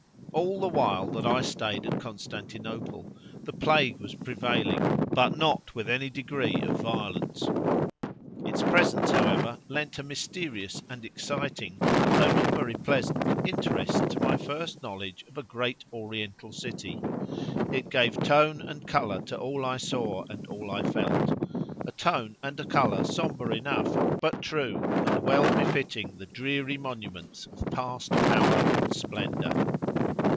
All the while that I stayed at Constantinople the plague was prevailing, but not with any degree of violence. Its presence, however, lent a mysterious and exciting, though not very pleasant, interest to my first knowledge of a great Oriental city; it gave tone and colour to all I saw, and all I felt—a tone and a colour sombre enough, but true, and well befitting the dreary monuments of past power and splendour.